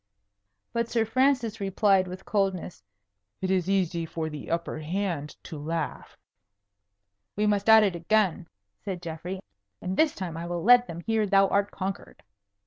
But Sir Francis replied with coldness, "It is easy for the upper hand to laugh." "We must at it again," said Geoffrey; "and this time I will let them hear thou art conquered."